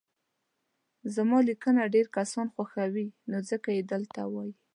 زما ليکنه ډير کسان خوښوي نو ځکه يي دلته وايي